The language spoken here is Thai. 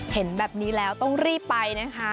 เห็นแบบนี้แล้วต้องรีบไปนะคะ